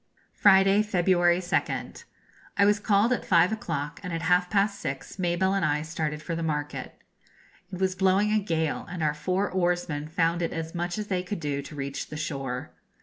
Friday, February 2nd. I was called at five o'clock, and at half past six Mabelle and I started for the market. It was blowing a gale, and our four oarsmen found it as much as they could do to reach the shore.